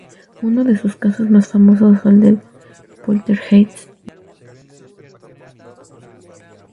Uno de sus casos más famosos fue el poltergeist de Rosenheim.